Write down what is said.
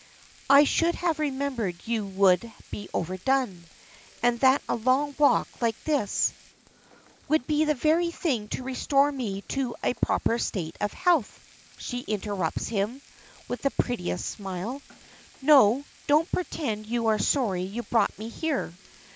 "I should have remembered you would be overdone, and that a long walk like this " "Would be the very thing to restore me to a proper state of health," she interrupts him, with the prettiest smile. "No, don't pretend you are sorry you brought me here.